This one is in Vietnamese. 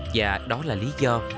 và đó là lý do